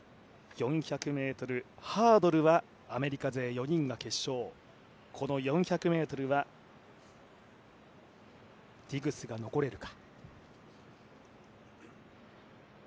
４００ｍハードルはアメリカ勢４人が決勝、この４００ｍはディグスが残れるか。